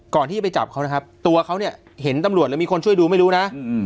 ที่ไปจับเขานะครับตัวเขาเนี่ยเห็นตำรวจหรือมีคนช่วยดูไม่รู้นะ